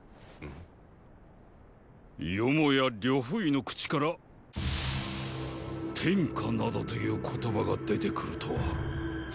よもや呂不韋の口から“天下”などという言葉が出てくるとは。